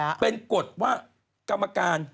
แต่คันหลังเป็นกฎว่ากรรมการ